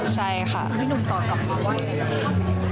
ใช่ค่ะพี่หนุ่มตอบกลับมาว่าไง